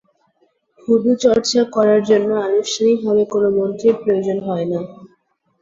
Hoodoo চর্চা করার জন্য আনুষ্ঠানিকভাবে কোনো মন্ত্রীর প্রয়োজন হয় না।